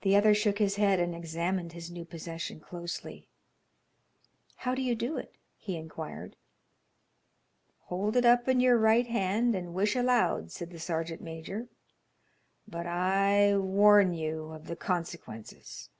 The other shook his head and examined his new possession closely. "How do you do it?" he inquired. "Hold it up in your right hand and wish aloud," said the sergeant major, "but I warn you of the consequences."